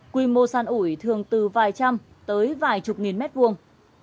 quy mô san ủi thường từ vài trăm tới vài chục nghìn mét vuông